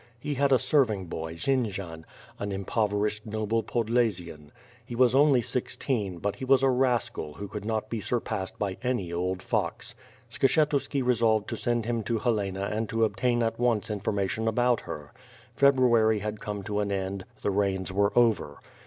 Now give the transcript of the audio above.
He had a serving boy, Jend zian, an impoverished noble Podlasian.* He was only sixteen, but he was a rascal who could not be surpassed by any old fox. Skshetuski resolved to send him to Helena and obtain at once information about her. February had come to an end ; the rains were over.